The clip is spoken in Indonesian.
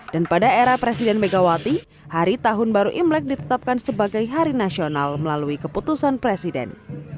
dan pada era presiden megawati hari tahun baru imlek ditetapkan sebagai hari nasional melalui keputusan presiden